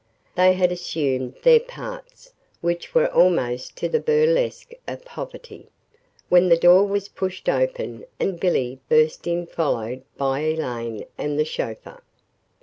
They had assumed their parts which were almost to the burlesque of poverty, when the door was pushed open and Billy burst in followed by Elaine and the chauffeur.